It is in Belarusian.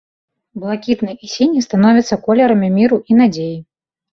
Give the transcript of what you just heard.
Блакітны і сіні становяцца колерамі міру і надзеі.